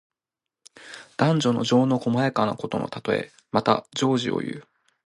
男女の情の細やかなことのたとえ。また、情事をいう。